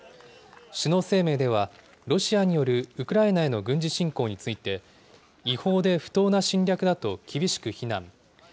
首脳声明では、ロシアによるウクライナへの軍事侵攻について、違法で不当な侵略だと厳しく非難。